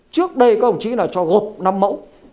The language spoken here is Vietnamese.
trước đây các ông chí là cho gộp năm mẫu